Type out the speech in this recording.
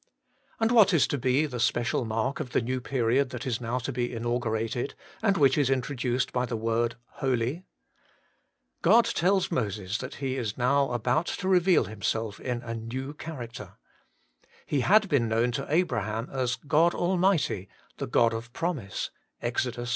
And what is to be the special mark of the new period that is now about to be inaugurated, and 38 HOLY IN CHRIST. which is introduced by the word holy ? God tells Moses that He is now about to reveal Himself in a new character. He had been known to Abraham as God Almighty, the God of Promise (Ex. vi.